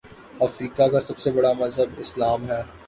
افریقہ کا سب سے بڑا مذہب اسلام ہے